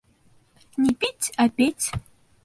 — Не пить, а петь!